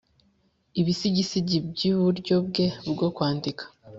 ibisigisigi byuburyo bwe bwo kwandika